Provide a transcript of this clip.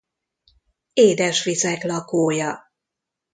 Édesvizek lakója.